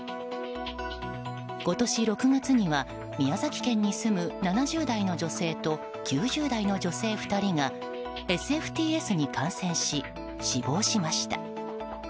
今年６月には宮崎県に住む７０代の女性と９０代の女性２人がＳＦＴＳに感染し、死亡しました。